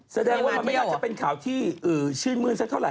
แสดงว่ามันไม่น่าจะเป็นข่าวที่ชื่นมื้นสักเท่าไห